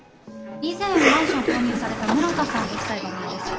以前マンションを購入された室田さんご夫妻がお見えです。